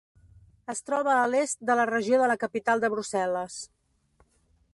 Es troba a l"est de la regió de la capital de Brussel·les.